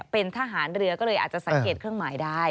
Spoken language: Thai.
เป็นทหารเรือก็เลยอาจจะสังเกตเครื่องหมายได้